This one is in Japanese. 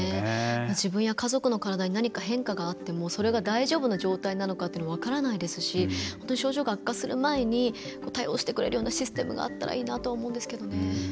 自分や家族の体に何か変化があってもそれが大丈夫な状態なのか分からないですし症状が悪化する前に対応してくれるようなシステムがあったらいいなと思うんですけどね。